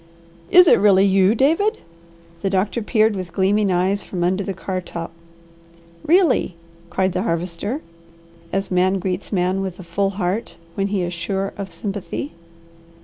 "Is it really you, David?" the doctor peered with gleaming eyes from under the car top. "Really!" cried the Harvester, as man greets man with a full heart when he is sure of sympathy.